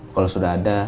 kalau sudah ada